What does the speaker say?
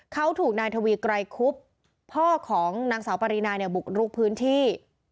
เขาถูกนายทวีไกรคุบพ่อของนางสาวปรินาเนี่ยบุกรุกพื้นที่